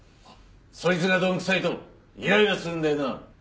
そいつが鈍くさいとイライラするんだよな。